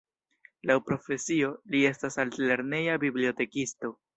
Laŭ profesio, li estas altlerneja bibliotekisto.